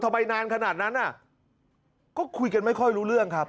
ทำไมนานขนาดนั้นคุยกันไม่ค่อยรู้เรื่องครับ